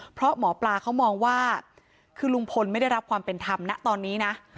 เพราะหมอปลาเขามองว่าคือลุงพลไม่ได้รับความเป็นธรรมนะตอนนี้นะ